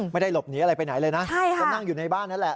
ไม่ได้หลบหนีอะไรไปไหนเลยนะก็นั่งอยู่ในบ้านนั่นแหละ